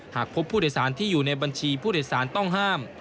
หากพบผู้โดยสารที่อยู่ในบัญชีผู้โดยสารต้องห้าม